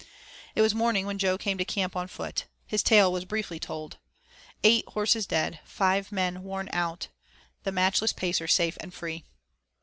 It was morning when Jo came to camp on foot. His tale was briefly told: eight horses dead five men worn out the matchless Pacer safe and free.